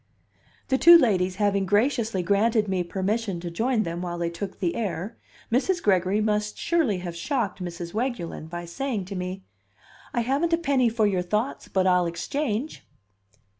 The two ladies having graciously granted me permission to join them while they took the air, Mrs. Gregory must surely have shocked Mrs. Weguelin by saying to me, "I haven't a penny for your thoughts, but I'll exchange."